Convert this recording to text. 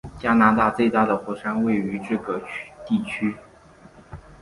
加拿大最大的火山位于这个地区。